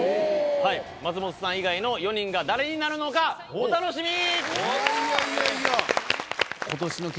松本さん以外の４人が誰になるのかお楽しみに！